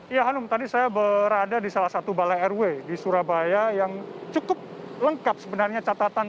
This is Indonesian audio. ya hanum tadi saya berada di salah satu balai rw di surabaya yang cukup lengkap sebenarnya catatan